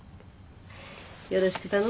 よろしく頼むわね。